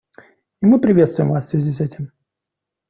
И мы приветствуем вас в связи с этим.